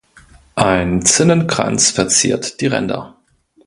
Ein Zinnenkranz verziert die Ränder.